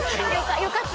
よかった。